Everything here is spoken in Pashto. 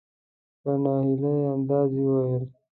په نا هیلي انداز یې وویل .